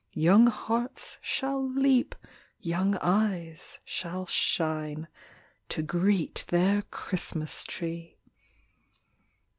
Young hearts shall leap, young eyes shall shine To greet their Christmas tree!"